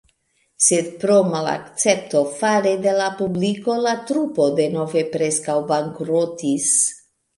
Sed pro malakcepto fare de la publiko la trupo denove preskaŭ bankrotis.